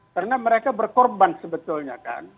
karena mereka berkorban sebetulnya kan